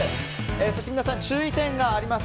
そして皆さん、注意点があります。